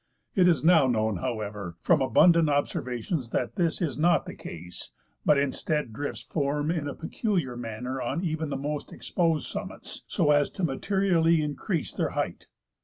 It is now known, however, from abundant observations that this is not the case, but instead drifts form in a peculiar manner on even the most exposed summits, so as to materially increase their height.